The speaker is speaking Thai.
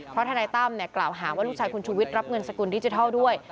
เพราะทนายตั้มกล่าวหาว่าลูกชายคุณชูวิทย์รับเงินสกุลดิจิทัลด้วย